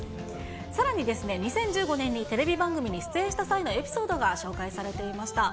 さらに２０１５年にテレビ番組に出演した際のエピソードが紹介されていました。